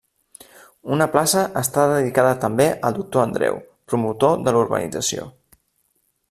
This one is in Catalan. Una plaça està dedicada també al Doctor Andreu, promotor de la urbanització.